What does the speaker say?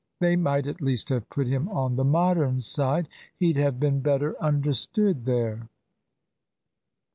They might at least have put him on the Modern side. He'd have been better understood there."